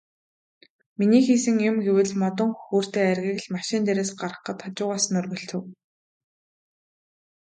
Миний хийсэн юм гэвэл модон хөхүүртэй айргийг л машин дээр гаргахад хажуугаас нь өргөлцөв.